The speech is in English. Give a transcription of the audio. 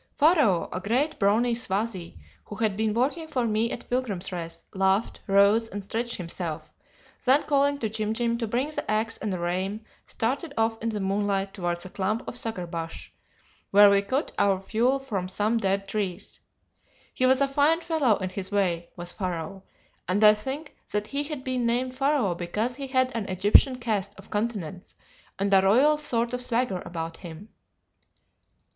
"Pharaoh, a great brawny Swazi, who had been working for me at Pilgrims' Rest, laughed, rose, and stretched himself, then calling to Jim Jim to bring the axe and a reim, started off in the moonlight towards a clump of sugar bush where we cut our fuel from some dead trees. He was a fine fellow in his way, was Pharaoh, and I think that he had been named Pharaoh because he had an Egyptian cast of countenance and a royal sort of swagger about him.